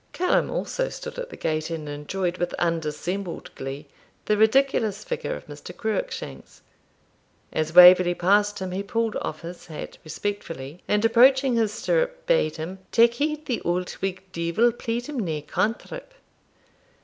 Callum also stood at the gate and enjoyed, with undissembled glee, the ridiculous figure of Mr. Cruickshanks. As Waverley passed him he pulled off his hat respectfully, and, approaching his stirrup, bade him 'Tak heed the auld whig deevil played him nae cantrip.'